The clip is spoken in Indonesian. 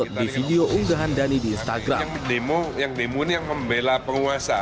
dhani di video unggahan dhani di instagram